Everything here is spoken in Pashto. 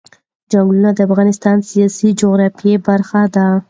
چنګلونه د افغانستان د سیاسي جغرافیه برخه ده.